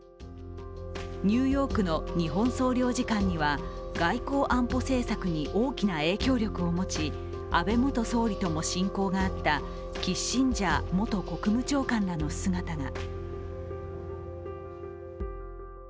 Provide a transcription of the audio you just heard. ニューヨークの日本総領事館には、外交安保政策に大きな影響力を持ち安倍元総理とも親交があったキッシンジャー元国務長官らの姿が。